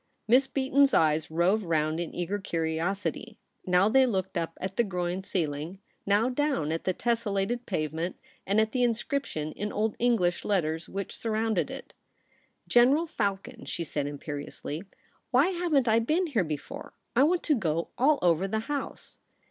Miss Beaton's eyes roved round In eager curiosity. Now they looked up at the groined celling ; now down at the tessellated pave ment and at the Inscription in Old English letters which surrounded It. ' General Falcon,' she said imperiously, ' why haven't I been here before ? I want to go all over the House.'